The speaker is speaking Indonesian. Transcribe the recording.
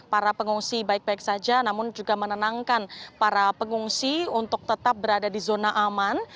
para pengungsi baik baik saja namun juga menenangkan para pengungsi untuk tetap berada di zona aman